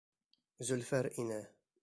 Зөлфәр инә.